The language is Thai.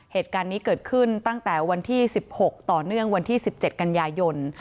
เหตุการณ์นี้เกิดขึ้นตั้งแต่วันที่๑๖ต่อเนื่องวันที่๑๗กันยายน